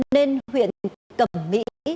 nên huyện cẩm mỹ